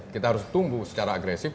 kita harus tunggu secara agresif